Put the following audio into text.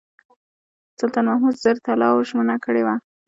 سلطان محمود زر طلاوو ژمنه کړې وه.